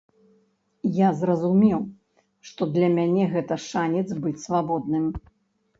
Я зразумеў, што для мяне гэта шанец быць свабодным.